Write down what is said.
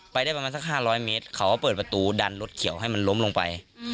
ไปได้ประมาณสัก๕๐๐เมตรเขาก็เปิดประตูดันรถเขียวให้มันล้มลงไป